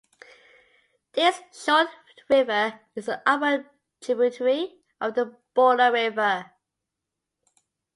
This short river is an upper tributary of the Buller River.